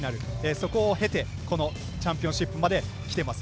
そこを経てチャンピオンシップまで来てます。